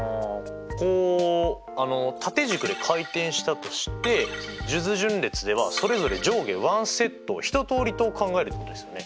こう縦軸で回転したとしてじゅず順列ではそれぞれ上下１セット１通りと考えるってことですよね。